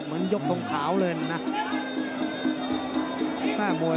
โอ้โหแดงโชว์อีกเลยเดี๋ยวดูผู้ดอลก่อน